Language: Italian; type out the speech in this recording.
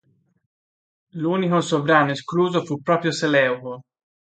L'unico sovrano escluso fu proprio Seleuco.